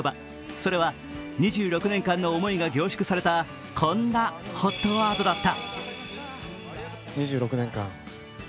それは２６年間の思いが凝縮された、こんなＨＯＴワードだった。